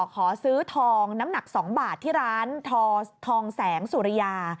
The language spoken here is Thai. ขอซื้อทองน้ำหนัก๒บาทที่ร้านทองแสงสุริยา